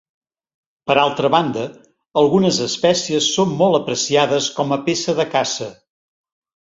Per altra banda, algunes espècies són molt apreciades com a peça de caça.